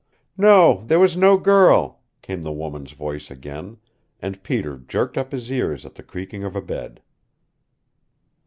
"No, there was no girl," came the woman's voice again, and Peter jerked up his ears at the creaking of a bed.